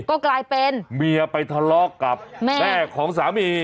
ก็กลายเป็นเมียไปทะเลาะกับแม่แม่ของสามี